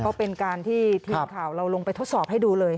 ก็เป็นการที่ทีมข่าวเราลงไปทดสอบให้ดูเลย